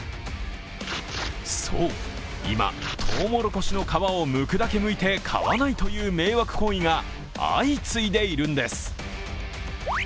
そう、今とうもろこしの皮をむくだけむいて買わないという迷惑行為が相次いでいるんです。